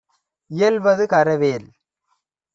இயல்வது கரவேல்.